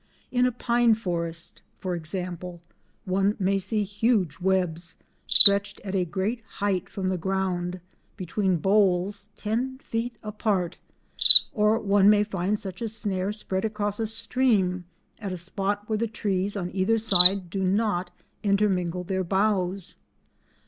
In a pine forest, for example, one may see huge webs stretched at a great height from the ground between boles ten feet apart; or one may find such a snare spread across a stream at a spot where the trees on either side do not intermingle their boughs.